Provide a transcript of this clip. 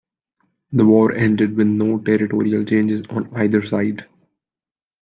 The war ended with no territorial changes on either side.